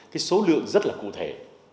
cái số lượng rất là cụ thể